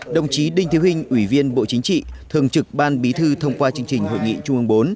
đồng chí đinh thiếu hình ủy viên bộ chính trị thường trực ban bí thư thông qua chương trình hội nghị trung ương bốn